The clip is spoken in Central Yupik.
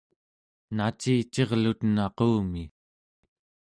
nacicirluten aqumi!